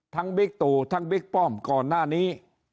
บิ๊กตู่ทั้งบิ๊กป้อมก่อนหน้านี้